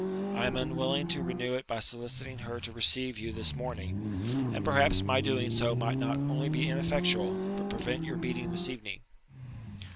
I am unwilling to renew it by soliciting her to receive you this morning; and perhaps my doing so might not only be ineffectual, but prevent your meeting this evening.'